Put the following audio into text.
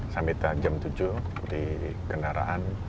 saya minta jam tujuh di kendaraan